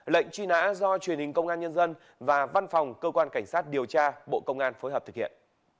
lệnh truy nã do truyền hình công an nhân dân và văn phòng cơ quan cảnh sát điều tra bộ công an phối hợp thực hiện